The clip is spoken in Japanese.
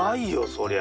そりゃ。